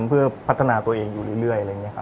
เพื่อพัฒนาตัวเองอยู่เรื่อยอะไรอย่างนี้ครับ